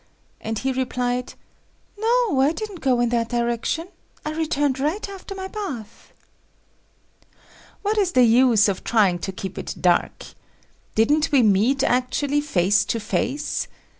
and he replied, "No, I didn't go in that direction. I returned right after my bath." What is the use of trying to keep it dark. Didn't we meet actually face to face?